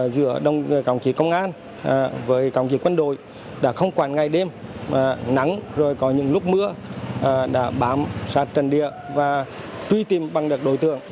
giữa cộng kỳ công an với cộng kỳ quân đội đã không quản ngày đêm nắng rồi có những lúc mưa đã bám sát trần địa và truy tìm bằng đặc đối tượng